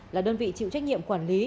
là đơn vị chịu trách nhiệm quản lý